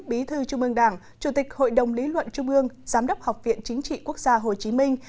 bí thư trung ương đảng chủ tịch hội đồng lý luận trung ương giám đốc học viện chính trị quốc gia hồ chí minh